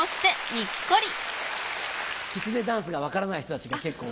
きつねダンスが分からない人たちが結構。